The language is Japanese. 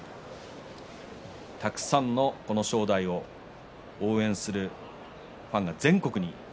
たくさんの正代を応援するファンが全国に。